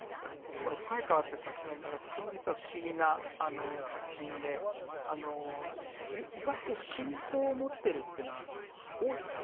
この「深い河」って作品はなんかとても実は不思議な作品であのいわゆる信仰を持ってるってのは大津だけ。